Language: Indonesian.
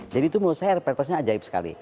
jadi itu menurut saya perpasnya ajaib